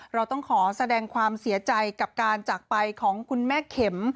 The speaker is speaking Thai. เราต้องขอแสดงความเสียใจกับการจากไปของคุณแม่เข็ม